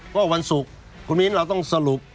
ก็วันศุกร์คุณมิ้นเราต้องสรุป